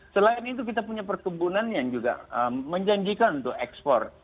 selain itu kita punya perkebunan yang juga menjanjikan untuk ekspor